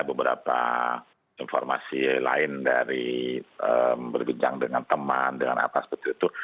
beberapa informasi lain dari berbincang dengan teman dengan apa seperti itu